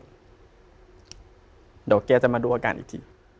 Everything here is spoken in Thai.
เดี๋ยวแกจะมาดูอาการอีกที